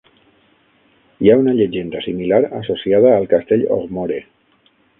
Hi ha una llegenda similar associada al castell Ogmore.